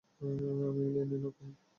আমি এই লাইনে নতুন।